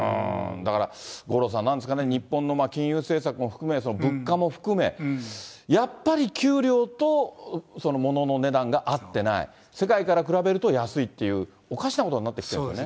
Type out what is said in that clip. だから、五郎さん、なんですかね、日本の金融政策も含め、物価も含め、やっぱり給料と物の値段が合ってない、世界から比べると安いという、おかしなことになってきてますよね。